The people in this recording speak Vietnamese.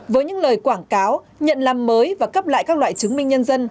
với những lời quảng cáo nhận làm mới và cấp lại các loại chứng minh nhân dân